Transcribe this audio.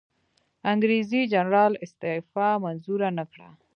انګریزي جنرال استعفی منظوره نه کړه.